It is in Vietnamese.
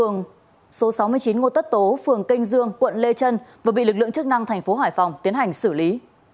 ngõ ngô tất tố phường kênh dương quận lê trân và bị lực lượng chức năng thành phố hải phòng tiến hành xử lý